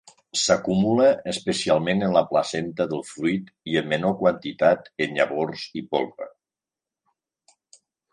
S'acumula especialment en la placenta del fruit i en menor quantitat en llavors i polpa.